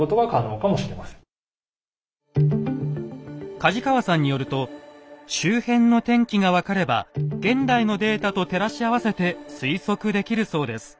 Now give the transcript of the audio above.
梶川さんによると周辺の天気が分かれば現代のデータと照らし合わせて推測できるそうです。